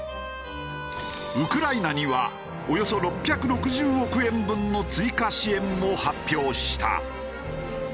ウクライナにはおよそ６６０億円分の追加支援も発表した。